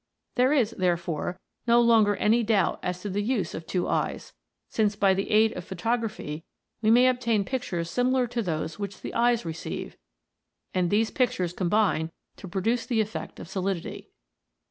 There is, therefore, no longer any doubt as to the use of two eyes, since by the aid of photo graphy we may obtain pictures similar to those which the eyes receive, and these pictures combine to produce the effect of solidity.